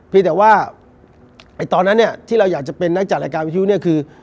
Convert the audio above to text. แต่ว่าตอนนั้นเนี่ยที่เราอยากจะเป็นนักจัดรายการวิทยุเนี่ยคือ